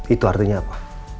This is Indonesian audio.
itu artinya apa